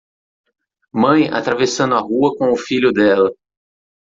Mãe atravessando a rua com o filho dela.